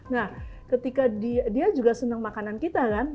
nah ketika dia juga senang makanan kita kan